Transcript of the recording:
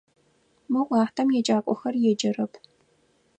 Мы уахътэм еджакӏохэр еджэрэп.